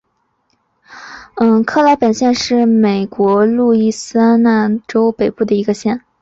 克莱本县是美国路易斯安那州北部的一个县。